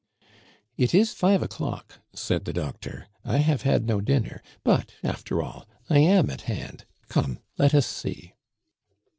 "It is five o'clock," said the doctor; "I have had no dinner. But, after all, I am at hand. Come, let us see."